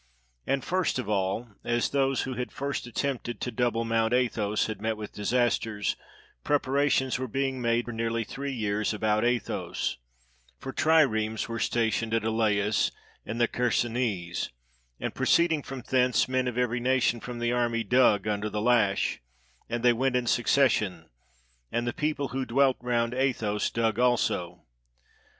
And first of all, as those who had first attempted to double Mount Athos had met with disasters, prepara tions were being made for nearly three years about Athos; for triremes were stationed at Eleus in the Chersonese, and proceeding from thence, men of every nation from the army dug under the lash ; and they went in succession; and the people who dwelt round Athos dug also.